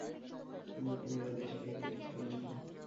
কিন্তু তিনি তাঁর দেশালাইয়ের কাঠি ছাড়েন নি।